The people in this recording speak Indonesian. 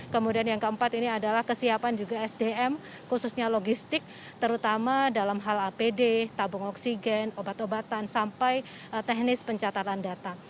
kemudian yang keempat ini adalah kesiapan juga sdm khususnya logistik terutama dalam hal apd tabung oksigen obat obatan sampai teknis pencatatan data